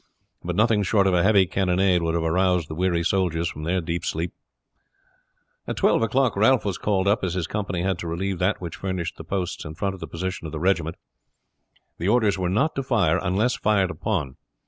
But nothing short of a heavy cannonade would have aroused the weary soldiers from their deep sleep. At twelve o'clock Ralph was called up, as his company had to relieve that which furnished the posts in front of the position of the regiment. The orders were not to fire unless fired upon.